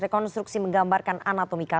tim kuasa hukum keluarga bredegadi rioswa